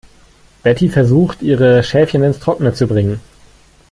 Betty versucht, ihre Schäfchen ins Trockene zu bringen.